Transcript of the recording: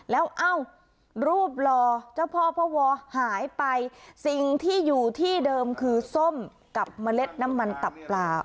แล้วเอ้ารูปหล่อเจ้าพ่อพ่อวอหายไปสิ่งที่อยู่ที่เดิมคือส้มกับเมล็ดน้ำมันตับปลา